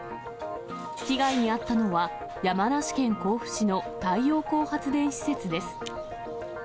被害に遭ったのは、山梨県甲府市の太陽光発電施設です。